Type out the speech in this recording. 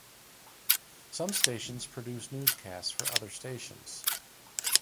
Some stations produce newscasts for other stations.